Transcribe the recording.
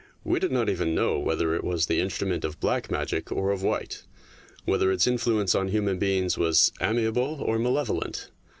We did not even know whether it was the instrument of black magic or of white, whether its influence on human beings was amiable or malevolent.